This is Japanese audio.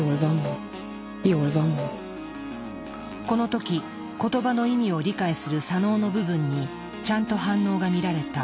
この時言葉の意味を理解する左脳の部分にちゃんと反応が見られた。